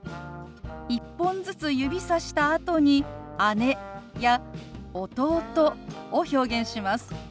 １本ずつ指さしたあとに「姉」や「弟」を表現します。